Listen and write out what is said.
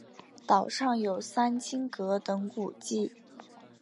岛上有三清阁等古迹。